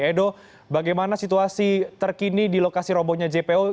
edo bagaimana situasi terkini di lokasi robohnya jpo